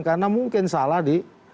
karena mungkin salah di